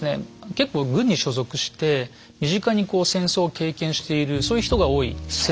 結構軍に所属して身近に戦争を経験しているそういう人が多い世代だったんですね。